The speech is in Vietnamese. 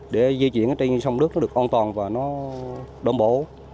để di chuyển trên sông nước nó được an toàn và nó đồng bộ